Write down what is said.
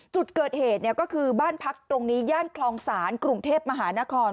จุดเกิดเหตุก็คือบ้านพักตรงนี้ย่านคลองศาลกรุงเทพมหานคร